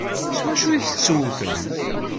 S wacu ay tettewtem?